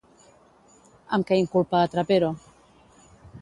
Amb què inculpa a Trapero?